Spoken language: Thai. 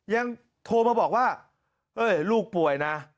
ยังโทรมาบอกว่าลูกป่วยนะ